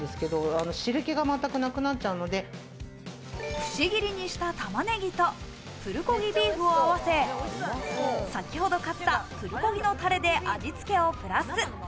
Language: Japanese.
くし切りにした玉ねぎとプルコギビーフを合わせ、先ほど買ったプルコギのタレで味つけをプラス。